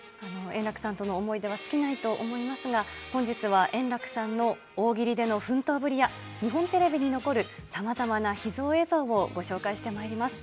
円楽さんとの思い出は尽きないと思いますが、本日は、円楽さんの大喜利での奮闘ぶりや、日本テレビに残るさまざまな秘蔵映像をご紹介してまいります。